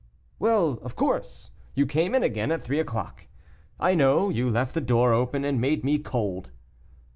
"Well, of course; you came in again at three o'clock. I know; you left the door open, and made me cold."